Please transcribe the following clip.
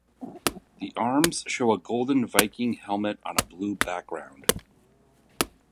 The arms show a golden Viking helmet on a blue background.